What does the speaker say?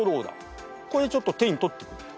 これちょっと手に取ってみて。